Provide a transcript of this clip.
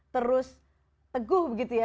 terus teguh begitu ya